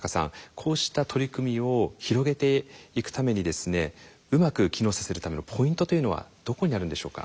こうした取り組みを広げていくためにですねうまく機能させるためのポイントというのはどこにあるんでしょうか？